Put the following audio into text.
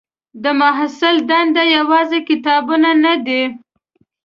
د محصل دنده یوازې کتابونه نه دي.